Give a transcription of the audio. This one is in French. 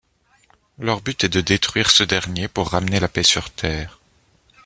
Leur but est de détruire ce dernier pour ramener la paix sur Terre.